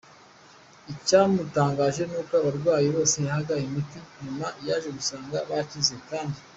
Icyamutangaje n’uko abarwayi bose yahaga iyi miti, nyuma yaje gusanga bakize kandi.